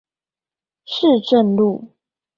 市政路